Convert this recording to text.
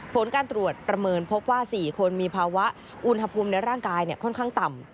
ผลการตรวจประเมินพบว่า๔คนมีภาวะอุณหภูมิในร่างกายค่อนข้างต่ำ